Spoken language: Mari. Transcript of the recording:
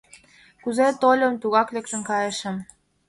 — Кузе тольым, тугак лектын кайышым.